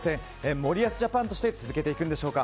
森保ジャパンとして続けていくんでしょうか。